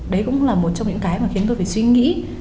đấy cũng là một trong những cái mà khiến tôi phải suy nghĩ